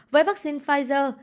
với vaccine pfizer